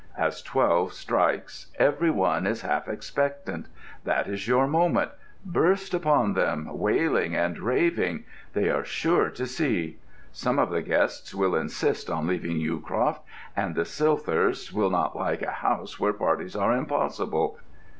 As twelve strikes every one is half expectant. That is your moment. Burst upon them, wailing and raving. They are sure to see. Some of the guests will insist on leaving Yewcroft, and the Silthirsks will not like a house where parties are impossible.